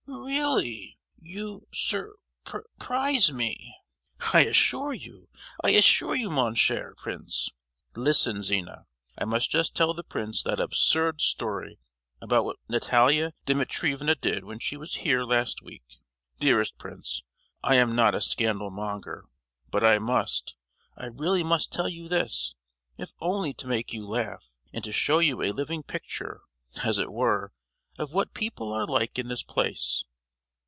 "Really! You sur—pr—prise me!" "I assure you—I assure you, mon cher Prince! Listen Zina, I must just tell the prince that absurd story about what Natalia Dimitrievna did when she was here last week. Dearest prince, I am not a scandal monger, but I must, I really must tell you this, if only to make you laugh, and to show you a living picture, as it were, of what people are like in this place!